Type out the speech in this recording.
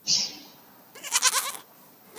王诏为大学士曹鼐女婿。